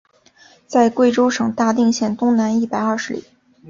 在贵州省大定县东南一百二十里。